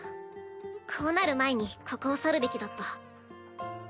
こうなる前にここを去るべきだった。